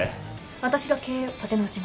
私が経営を立て直します。